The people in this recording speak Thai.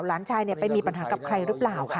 หลานชายไปมีปัญหากับใครหรือเปล่าค่ะ